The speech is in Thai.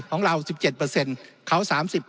ของเรา๑๗เขา๓๐